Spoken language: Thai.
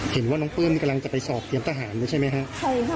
เห็นว่าน้องพรุ่งอาจจะไปสอบเตรียมทหารใช่มั้ยครับ